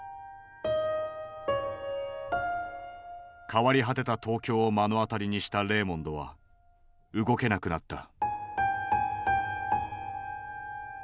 変わり果てた東京を目の当たりにしたレーモンドは動けなくなった。